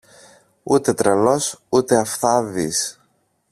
Ούτε τρελός ούτε αυθάδης.